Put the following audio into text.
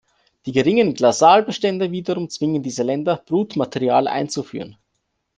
Die geringen Glasaalbestände wiederum zwingen diese Länder, Brutmaterial einzuführen.